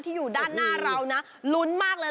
อยู่ด้านหน้าเรานะลุ้นมากเลย